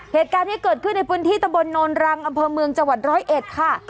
เหตุการณ์ที่เกิดขึ้นในพื้นที่ตะบนโนนรังอำเภอเมืองจังหวัดร้อยเอ็ดค่ะ